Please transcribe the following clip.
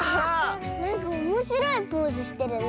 なんかおもしろいポーズしてるね。